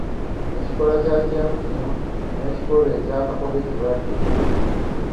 Ekikoola ekya kyenvu kino n'ekikolo ekya kakobe kirwadde.